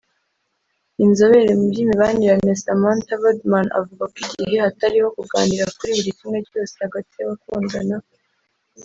Inzobere mu byimibanire Samantha Rodman avuga ko igihe hatariho kuganira kuri buri kimwe cyose hagati y’abakundana